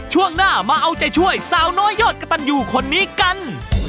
ช่วงหน้ามาเอาใจช่วยสาวน้อยยอดกระตันอยู่คนนี้กัน